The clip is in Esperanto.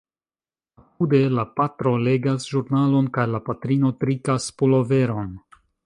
Apude, la patro legas ĵurnalon kaj la patrino trikas puloveron...